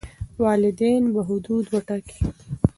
والدین به حدود وټاکي.